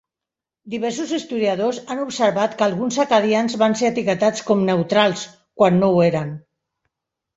Diversos historiadors han observat que alguns acadians van ser etiquetats com "neutrals" quan no ho eren.